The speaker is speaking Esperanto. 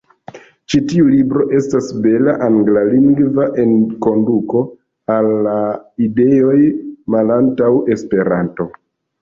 Ĉi tiu libro estas bela anglalingva enkonduko al la ideoj malantaŭ Esperanto.